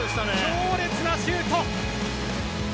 強烈なシュート。